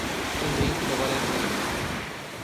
እዚ ተበላሽዩ እዩ።